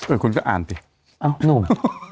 เอ๊ยคุณสารสร้างหนนเหรอหนุ่ม